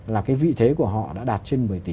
là cái vị thế của họ đã đạt trên một mươi tỷ